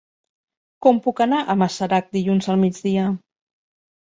Com puc anar a Masarac dilluns al migdia?